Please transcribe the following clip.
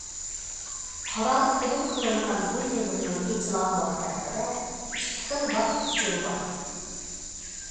قارار قوبۇل قىلىنغان بۇ يىغىننىڭ ئېچىلغان ۋاقتى ھەققىدە ئىككى خىل ۋاقىت ئۇچۇرى بار.